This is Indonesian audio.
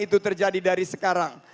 itu terjadi dari sekarang